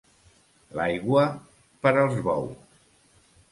L'aigua, per als bous.